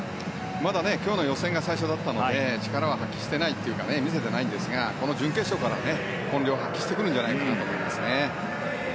まだ今日の予選が最初だったので力は発揮してないというか見せてないんですがこの準決勝から本領発揮してくるんじゃないかなと思いますね。